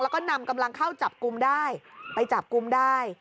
แล้วก็นำกำลังเข้าจับกลุ่มได้ไปจับกลุ่มได้